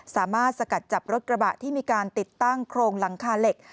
สกัดจับรถกระบะที่มีการติดตั้งโครงหลังคาเหล็ก